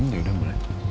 ya udah boleh